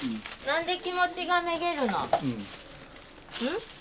なんで気持ちがめげるの？